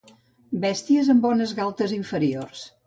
Bèsties amb bones galtes inferiors.